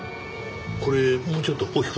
これもうちょっと大きくなるかな？